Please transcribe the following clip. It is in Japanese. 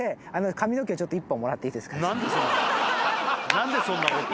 何でそんなことを？